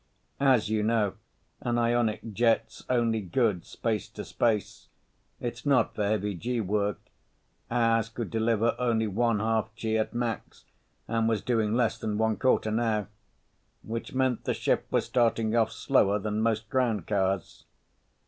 As you know, an ionic jet's only good space to space. It's not for heavy G work; ours could deliver only one half G at max and was doing less than one quarter now. Which meant the ship was starting off slower than most ground cars.